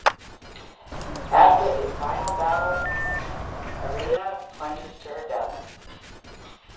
After a final battle between them, Irina plunges to her death.